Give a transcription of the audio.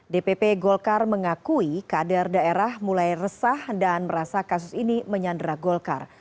dpp golkar mengakui kader daerah mulai resah dan merasa kasus ini menyandra golkar